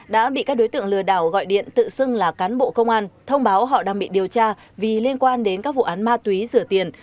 đã bị các đối tượng lừa đảo gọi điện tự xưng là cán bộ công an thông báo họ đang bị điều tra vì liên quan đến các vụ án ma túy rửa tiền